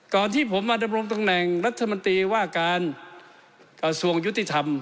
ก่อนที่ผมมาดำรมตะแหน่งรัฐมันตีว่าการกราศวงศ์ยุติธรรม